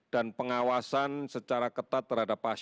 dan pengawasan secara ketat terhadap pasukan